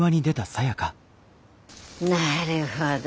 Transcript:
なるほど。